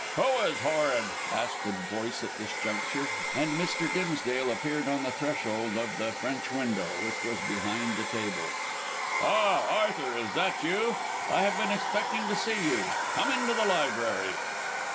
"Who is horrid?" asked a voice at this juncture, and Mr. Dimsdale appeared on the threshold of the French window, which was behind the table. "Ah, Arthur, is that you? I have been expecting to see you. Come into the library."